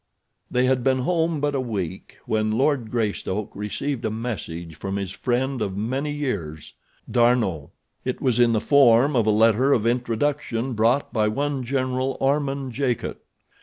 They had been home but a week when Lord Greystoke received a message from his friend of many years, D'Arnot. It was in the form of a letter of introduction brought by one General Armand Jacot.